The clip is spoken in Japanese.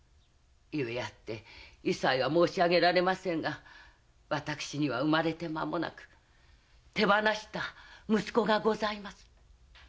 故あって委細は申し上げられませんが私には生まれて間もなく手放した息子がございます。